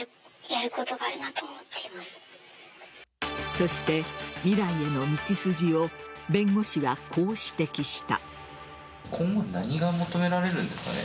そして、未来への道筋を弁護士はこう指摘した。